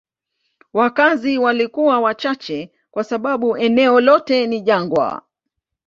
Wakazi walikuwa wachache kwa sababu eneo lote ni jangwa.